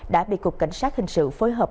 đã bị cục cảnh sát hình sự phối hợp